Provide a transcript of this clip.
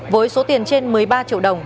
với số tiền trên một mươi ba triệu đồng